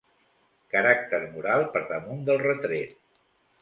Caràcter moral per damunt del retret.